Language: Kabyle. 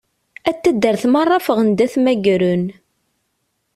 At taddart merra ffɣen-d ad t-mmagren.